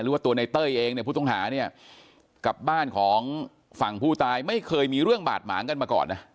ว่าตัวในเต้ยเองเนี่ยผู้ต้องหาเนี่ยกับบ้านของฝั่งผู้ตายไม่เคยมีเรื่องบาดหมางกันมาก่อนนะ